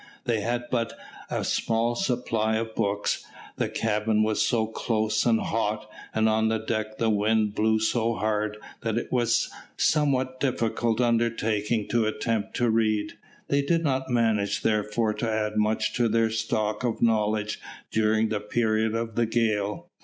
They had but a small supply of books. The cabin was so close and hot, and on the deck the wind blew so hard, that it was a somewhat difficult undertaking to attempt to read. They did not manage therefore to add much to their stock of knowledge during the period of the gale.